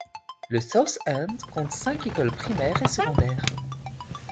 Le South End compte cinq écoles primaires et secondaires.